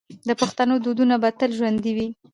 د پښتنو دودونه به تل ژوندي وي.